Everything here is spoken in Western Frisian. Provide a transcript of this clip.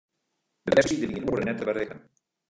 De webside wie in oere net te berikken.